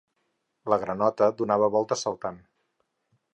La granota donava voltes saltant.